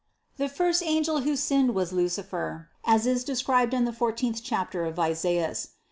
The first angel who sinned was Luci fer, as is described in the fourteenth chapter of Isaias.